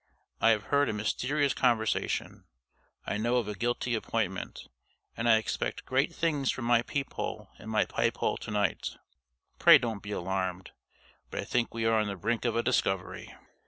"I have heard a mysterious conversation I know of a guilty appointment and I expect great things from my peep hole and my pipe hole to night. Pray don't be alarmed, but I think we are on the brink of a discovery."